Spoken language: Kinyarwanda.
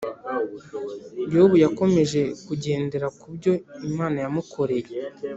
yobu yakomeje kugendera kubyo imana ya mukoreye